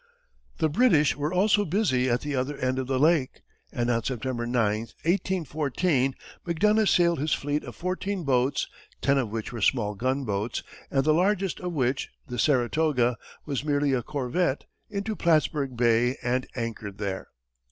The British were also busy at the other end of the lake, and on September 9, 1814, Macdonough sailed his fleet of fourteen boats, ten of which were small gunboats, and the largest of which, the Saratoga, was merely a corvette, into Plattsburg Bay, and anchored there.